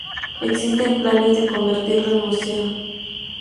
Existen planes de convertirlo en museo.